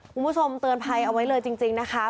คุณผู้ชมเตือนภัยเอาไว้เลยจริงนะคะ